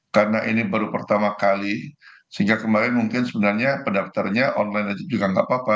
karena ini baru pertama kali sehingga kemarin mungkin sebenarnya pendaftarnya online aja juga gak apa apa